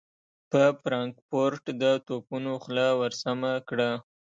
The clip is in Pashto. پر فرانکفورټ د توپونو خوله ور سمهکړه.